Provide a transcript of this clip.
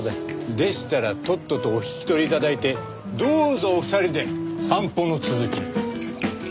でしたらとっととお引き取り頂いてどうぞお二人で散歩の続きを。